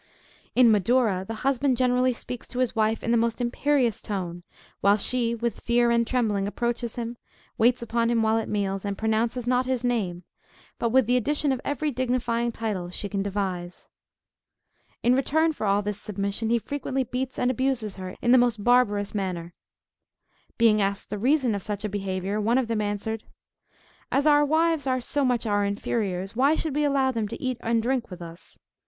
In Madura the husband generally speaks to his wife in the most imperious tone; while she with fear and trembling approaches him, waits upon him while at meals, and pronounces not his name, but with the addition of every dignifying title she can devise. In return for all this submission he frequently beats and abuses her in the most barbarous manner. Being asked the reason of such a behavior, one of them answered, "As our wives are so much our inferiors why should we allow them to eat and drink with us?